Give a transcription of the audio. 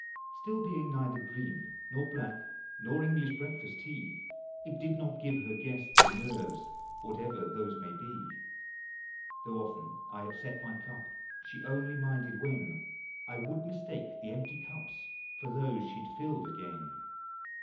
Still, being neither green, nor black, nor English breakfast tea, It did not give her guests the "nerves" — what ever those may be. Though often I upset my cup, she only minded when I would mistake the empty cups for those she 'd filled again.